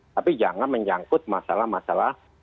tapi jangan menyangkut masalah masalah